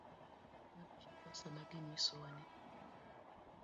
Waluw kaka sirkal chiko sama ginyisowa ni